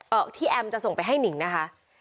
ที่แอมจะส่งไปให้หนิงนะคะ